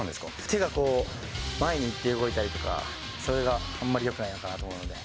手がこう、前に行って動いたりとか、それがあんまりよくないかなと思うので。